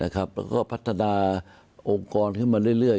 แล้วก็พัฒนาองค์กรขึ้นมาเรื่อย